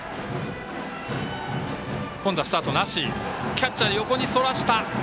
キャッチャー、横にそらした。